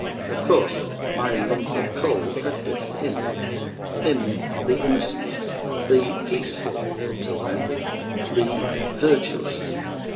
Of course my lump of coal had hit him—him the innocent, the peaceful (up till then), the virtuous.